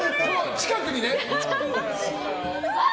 近くにね！